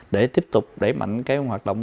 để tiếp tục đẩy mạnh cái hoạt động